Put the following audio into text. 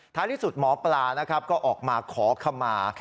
ที่สุดหมอปลานะครับก็ออกมาขอขมา